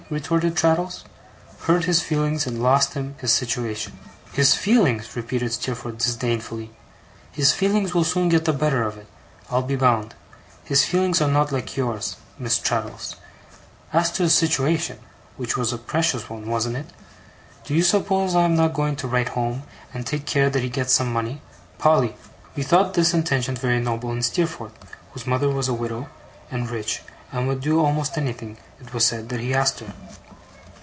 retorted Traddles. 'Hurt his feelings, and lost him his situation.' 'His feelings?' repeated Steerforth disdainfully. 'His feelings will soon get the better of it, I'll be bound. His feelings are not like yours, Miss Traddles. As to his situation which was a precious one, wasn't it? do you suppose I am not going to write home, and take care that he gets some money? Polly?' We thought this intention very noble in Steerforth, whose mother was a widow, and rich, and would do almost anything, it was said, that he asked her.